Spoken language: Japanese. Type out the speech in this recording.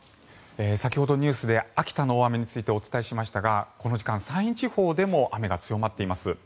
先ほどのニュースで秋田の大雨についてお伝えしましたがこの時間、山陰地方でも雨が強まっています。